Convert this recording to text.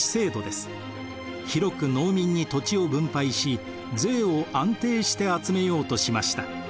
広く農民に土地を分配し税を安定して集めようとしました。